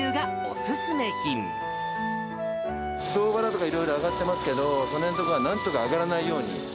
相場とかいろいろ上がってますけど、そのへんのところはなんとか上がらないように。